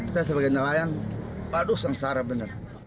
saya sebagai nelayan aduh sengsara benar